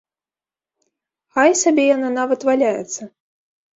Хай сабе яна нават валяецца!